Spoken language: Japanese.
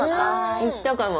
言ったかも。